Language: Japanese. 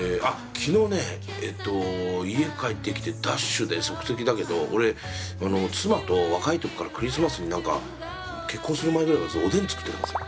昨日ねえっと家帰ってきてダッシュで即席だけど俺妻と若い時からクリスマスに何か結婚する前ぐらいからおでん作ってたんですよ。